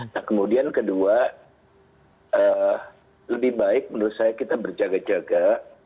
nah kemudian kedua lebih baik menurut saya kita berjaga jaga